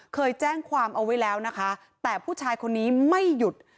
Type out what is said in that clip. เคยแจ้งความเอาไว้แล้วนะคะแต่ผู้ชายคนนี้ไม่หยุด